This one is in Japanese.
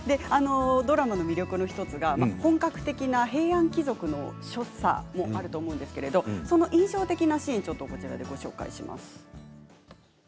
ドラマの魅力の１つが本格的な平安貴族の所作もあると思うんですがその印象的なシーンをご紹介します。